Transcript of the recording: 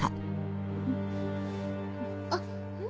あっ。